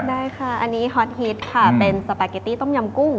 ได้ค่ะอันนี้ฮอตฮิตค่ะเป็นสปาเกตตี้ต้มยำกุ้ง